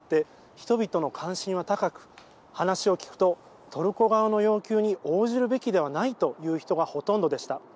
連日メディアで伝えられていることもあって人々の関心は高く話を聞くと、トルコ側の要求に応じるべきではないという人がほとんどでした。